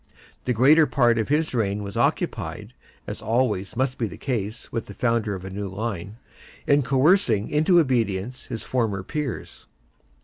The greater part of his reign was occupied, as always must be the case with the founder of a new line, in coercing into obedience his former peers.